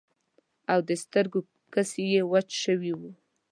او د سترګو کسی مې وچ شوي وو.